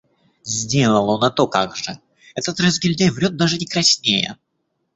Сделал он, а то как же. Этот разгильдяй врёт, даже не краснея.